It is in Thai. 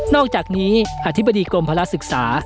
อกจากนี้อธิบดีกรมภาระศึกษา